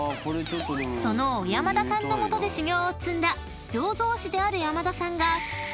［その小山田さんの下で修業を積んだ醸造士である山田さんが］